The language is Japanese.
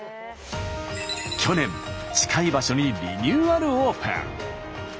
去年近い場所にリニューアルオープン。